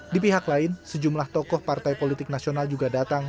di pihak lain sejumlah tokoh partai politik nasional juga datang